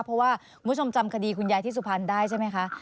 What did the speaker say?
เพราะว่าคุณผู้ชมจำคดีคุณยายที่สุพรรณได้ใช่ไหมคะ